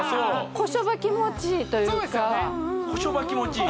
こしょば気持ちいいというかこしょば気持ちいい？